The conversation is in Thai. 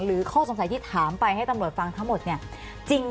ข้อสงสัยที่ถามไปให้ตำรวจฟังทั้งหมดเนี่ย